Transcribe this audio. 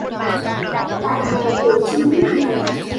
Tại nhà của chinh lúc này